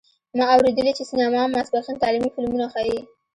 ما اوریدلي چې سینما ماسپښین تعلیمي فلمونه ښیې